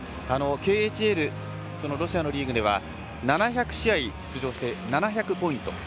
ＫＨＬ、ロシアのリーグでは７００試合に出場して７００ポイント。